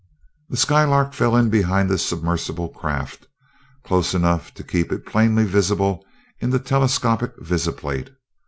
The Skylark fell in behind the submersible craft, close enough to keep it plainly visible in the telescopic visiplate.